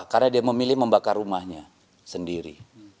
karena dia memilih membakar rumahnya sendiri